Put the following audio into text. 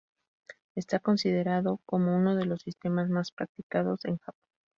Está considerado como uno de los sistemas más practicados en Japón.